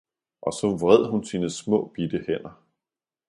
og så vred hun sine små bitte hænder.